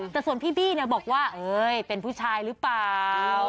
แต่ส่วนพี่บี้บอกว่าเป็นผู้ชายหรือเปล่า